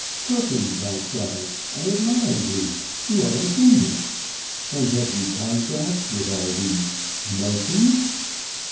"Perkins!" I cried, "I admire you. You are a genius! And have you contracts with all these: notions?"